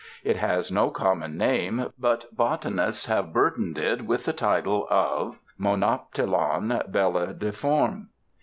It has no common name but botanists have burdened it with the title of monoptilon bellidiforme.